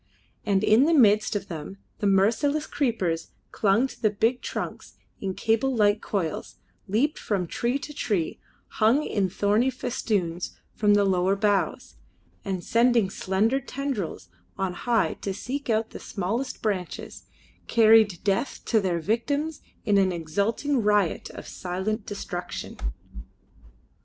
And in the midst of them the merciless creepers clung to the big trunks in cable like coils, leaped from tree to tree, hung in thorny festoons from the lower boughs, and, sending slender tendrils on high to seek out the smallest branches, carried death to their victims in an exulting riot of silent destruction.